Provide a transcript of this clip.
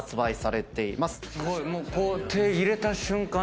手入れた瞬間